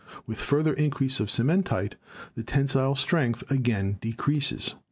; with further increase of cementite the tensile strength again decreases.